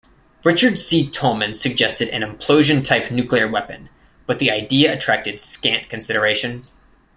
Richard C. Tolman suggested an implosion-type nuclear weapon, but the idea attracted scant consideration.